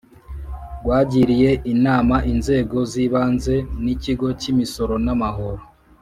rwagiriye inama inzego z ibanze n Ikigo cy Imisoro n Amahoro